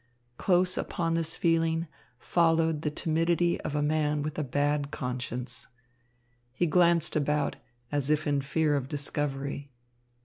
Close upon this feeling followed the timidity of a man with a bad conscience. He glanced about, as if in fear of discovery.